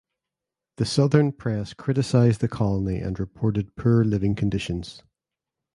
The southern press criticized the colony and reported poor living conditions.